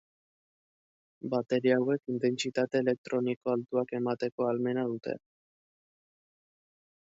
Bateria hauek intentsitate elektriko altuak emateko ahalmena dute.